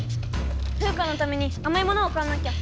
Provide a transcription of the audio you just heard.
フウカのためにあまいものを買わなきゃ！